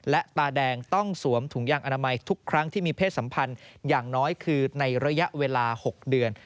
และตาแดงต้องสวมถุงยางอนามัยทุกครั้งที่มีเพศสัมพันธ์อย่างน้อยคือในระยะเวลา๖เดือน